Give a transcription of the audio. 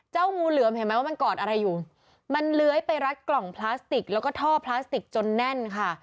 งูเหลือมเห็นไหมว่ามันกอดอะไรอยู่มันเลื้อยไปรัดกล่องพลาสติกแล้วก็ท่อพลาสติกจนแน่นค่ะ